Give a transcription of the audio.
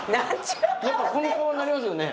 やっぱこの顔になりますよね？